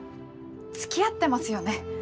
つきあってますよね？